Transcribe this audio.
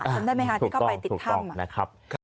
ทำได้ไหมคะที่เข้าไปติดถ้ำ